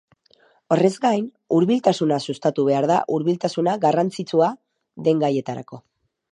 Horrez gain, hurbiltasuna sustatu behar da hurbiltasuna garrantzitsua den gaietarako.